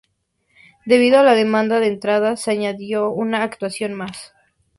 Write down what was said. Debido a la demanda de entradas se añadió una actuación más.